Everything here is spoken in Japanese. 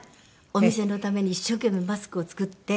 お店のために一生懸命マスクを作って。